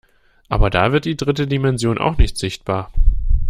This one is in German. Aber da wird die dritte Dimension auch nicht sichtbar.